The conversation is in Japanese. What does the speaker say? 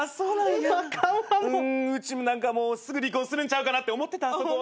うちも何かもうすぐ離婚するんちゃうかなって思ってた。